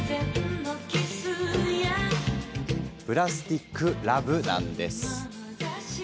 「プラスティック・ラヴ」なんです。